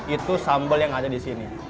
itu sambal yang ada di sini